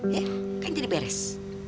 ya kan jadi beres